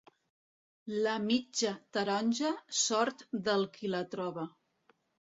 La mitja taronja, sort del qui la troba.